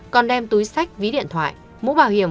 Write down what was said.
còn đem túi sách ví điện thoại mũ bảo hiểm